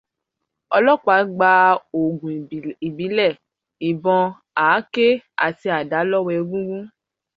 Ọlọ́pàá gba òògùn ìbílẹ̀, ìbọn, àáké àti àdá lọ́wọ́ egúngún.